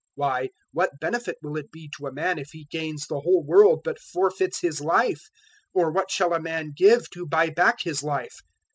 016:026 Why, what benefit will it be to a man if he gains the whole world but forfeits his life? Or what shall a man give to buy back his life?